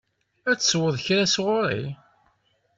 Ad tesweḍ kra sɣur-i?